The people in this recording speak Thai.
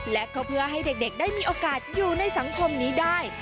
และก็เพื่อให้เด็กได้มีโอกาสอยู่ในสังคมนี้ได้